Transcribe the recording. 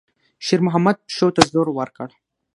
شېرمحمد پښو ته زور ورکړ.